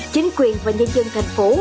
chính quyền và nhân dân thành phố